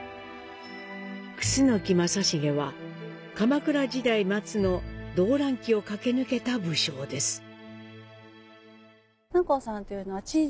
楠木正成は鎌倉時代末の動乱期を駆け抜けた武将です。